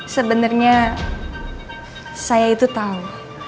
sebenernya saya itu tau